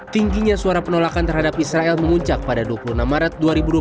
tingginya suara penolakan terhadap israel menguncak pada dua puluh enam maret dua ribu dua puluh